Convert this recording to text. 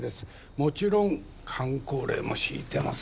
もちろん箝口令も敷いてます